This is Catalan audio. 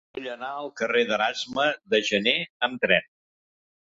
Vull anar al carrer d'Erasme de Janer amb tren.